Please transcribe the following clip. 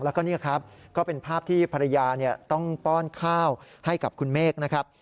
แล้วก็นี่ครับก็เป็นภาพที่ภรรยาต้องป้อนข้าวให้กับคุณเมฆนะครับ